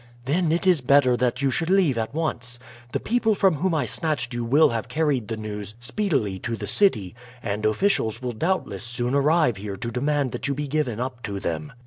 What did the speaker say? "Then it is better that you should leave at once. The people from whom I snatched you will have carried the news speedily to the city, and officials will doubtless soon arrive here to demand that you be given up to them.